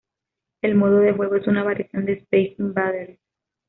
El modo de juego es una variación de "Space Invaders".